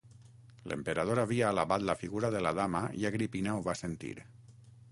L'emperador havia alabat la figura de la dama i Agripina ho va sentir.